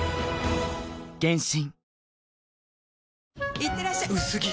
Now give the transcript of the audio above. いってらっしゃ薄着！